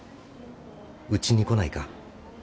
うちに来ないか？